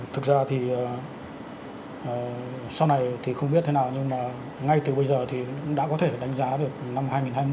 thực ra thì sau này thì không biết thế nào nhưng mà ngay từ bây giờ thì cũng đã có thể đánh giá được năm hai nghìn hai mươi